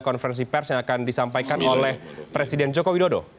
konferensi pers yang akan disampaikan oleh presiden joko widodo